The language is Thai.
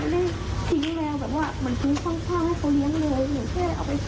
มีสิ่งที่เขาอยากจะทำแล้วหนูไม่ได้ทิ้งแมว